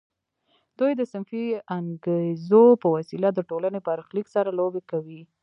دوی د صنفي انګیزو په وسیله د ټولنې برخلیک سره لوبې کوي